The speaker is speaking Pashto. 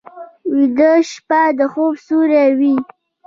ویده شپه د خوب سیوری وي